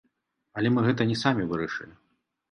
Але мы гэта не самі вырашылі.